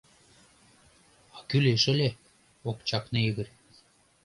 А кӱлеш ыле! — ок чакне Игорь.